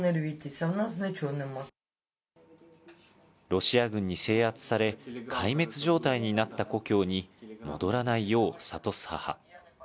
ロシア軍に制圧され、壊滅状態になった故郷に戻らないようさとす母。